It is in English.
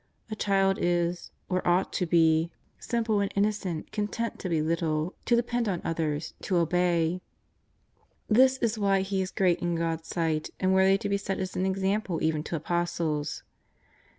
A child is — or ought to be — simple 15 272 JESUS OF NA2AEETH. and innocent, content to be little, to depend on others, to obey. This is why he is great in God's sight and worthy to be set as an example even to Apostles.